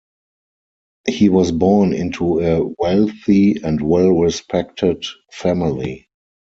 He was born into a wealthy and well respected family.